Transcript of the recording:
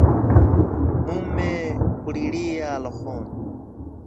Mume hulilia rohoni